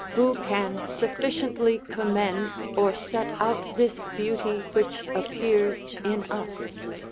who can sufficiently commend, or set out this beauty which appears in us?